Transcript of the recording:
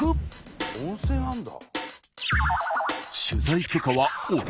温泉あるんだ。